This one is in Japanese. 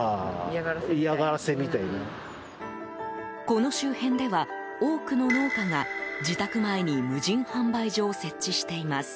この周辺では、多くの農家が自宅前に無人販売所を設置しています。